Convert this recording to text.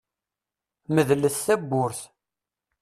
Medlet tawwurt.